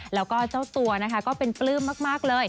แล้วก็เจ้าตั๋วเป็นเปลื้มมาก